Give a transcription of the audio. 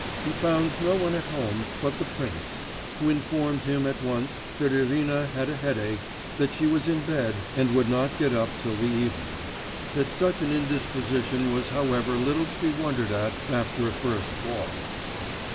He found no one at home but the prince, who informed him at once that Irina had a headache, that she was in bed, and would not get up till the evening, that such an indisposition was however little to be wondered at after a first ball.